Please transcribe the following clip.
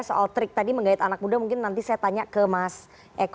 soal trik tadi menggait anak muda mungkin nanti saya tanya ke mas eko